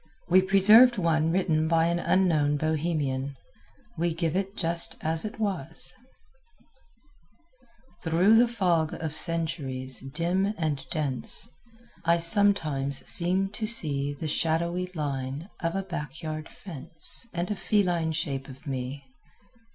We preserved one written by an unknown Bohemian. We give it just as it was: Through the fog of centuries, dim and dense, I sometimes seem to see The shadowy line of a backyard fence And a feline shape of me.